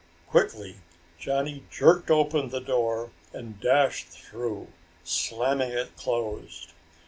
Quickly, Johnny jerked open the door and dashed through, slamming it closed.